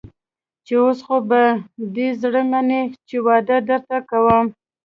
چې اوس خو به دې زړه مني چې واده درته کوم.